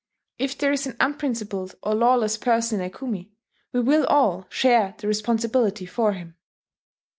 If there is an unprincipled or lawless person in a kumi, we will all share the responsibility for him."